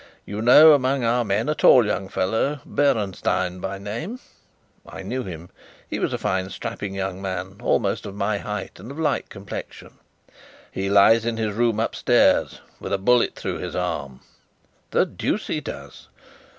You know among our men a tall young fellow, Bernenstein by name?" I knew him. He was a fine strapping young man, almost of my height, and of light complexion. "He lies in his room upstairs, with a bullet through his arm." "The deuce he does!"